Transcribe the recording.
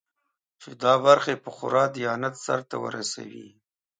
چې دا برخې په خورا دیانت سرته ورسوي.